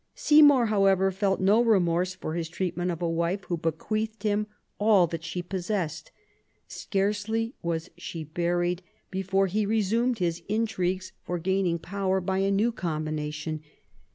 Seymour, however, felt no remorse for his treatment of a wife who bequeathed him all that she possessed. Scarcely was she buried before he resumed his intrigues for gaining power by a new combination.